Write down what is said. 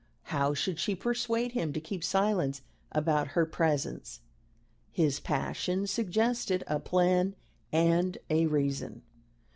How should she persuade him to keep silence about her presence? His passion suggested a plan and a reason.